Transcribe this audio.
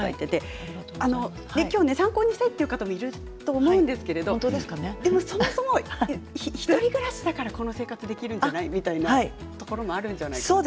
今日、参考にしたいっていう方もいると思うんですけれどそもそも１人暮らしだからこの生活できるんじゃないみたいなところもあるんじゃないかなと。